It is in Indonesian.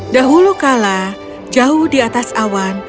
dahulu kala jauh di atas awan